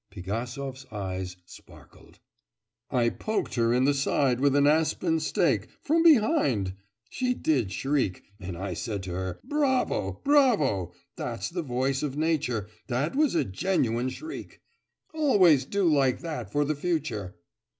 Pigasov's eyes sparkled. 'I poked her in the side with an aspen stake, from behind. She did shriek, and I said to her, "Bravo, bravo! that's the voice of nature, that was a genuine shriek! Always do like that for the future!"